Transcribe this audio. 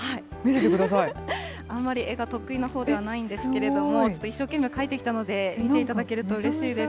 あんまり絵が得意なほうではないんですけれども、ちょっと一生懸命描いてきたので、見ていただけるとうれしいです。